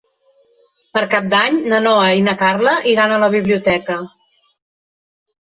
Per Cap d'Any na Noa i na Carla iran a la biblioteca.